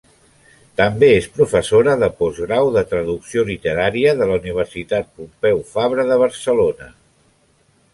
També és professora de postgrau de Traducció Literària de la Universitat Pompeu Fabra de Barcelona.